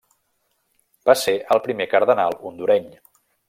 Va ser el primer cardenal hondureny.